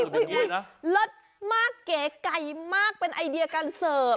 เป็นอย่างไรล่ะล้ดมากเก๋ไก่มากเป็นไอดียาการเสริฟ